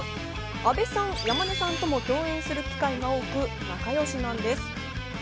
阿部さん、山根さんとも共演する機会が多く仲よしなんです。